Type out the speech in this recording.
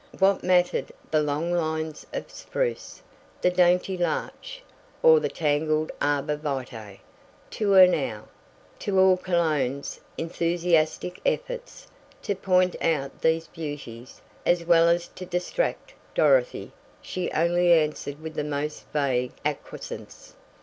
What mattered the long lines of spruce, the dainty larch, or the tangled arbor vitae, to her now? To all Cologne's enthusiastic efforts to point out these beauties, as well as to distract Dorothy, she only answered with the most vague acquiescence.